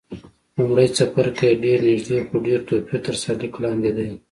لومړی څپرکی یې ډېر نږدې، خو ډېر توپیر تر سرلیک لاندې دی.